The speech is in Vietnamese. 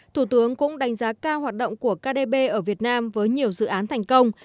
thủ tướng cũng đánh giá cao hoạt động của kdb ở việt nam với nhiều dự án thành công